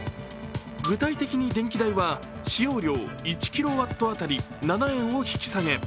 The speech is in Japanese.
具体的に電気代は、使用料１キロワット当たり７円を引き下げ。